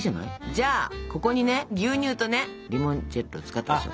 じゃあここにね牛乳とねリモンチェッロ使ったでしょ？